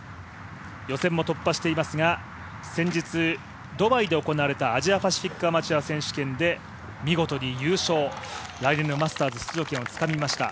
予選も突破していますが先日、ドバイで行われたアジア・パシフィック・アマチュア選手権で見事に優勝、来年のマスターズ出場権をつかみました。